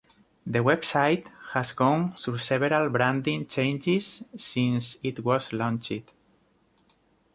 The website has gone through several branding changes since it was launched.